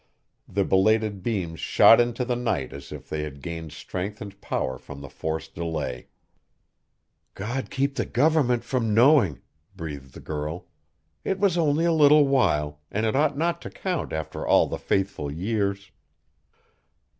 The belated beams shot into the night as if they had gained strength and power from the forced delay. "God keep the government from knowing!" breathed the girl; "it was only a little while, and it ought not to count after all the faithful years."